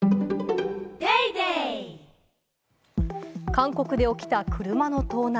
韓国で起きた車の盗難。